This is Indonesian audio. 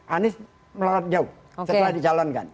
anies melorot jauh setelah dicalonkan